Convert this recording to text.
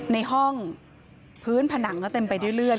ในห้องพื้นผนังก็เต็มไปด้วยเลือด